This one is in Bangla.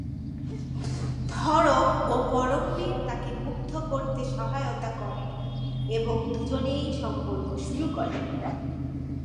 ধরম ও পরমবীর তাকে মুগ্ধ করতে সহায়তা করে এবং দু'জনেই সম্পর্ক শুরু করে।